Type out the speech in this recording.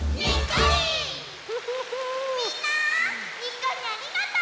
みんなにっこりありがとう！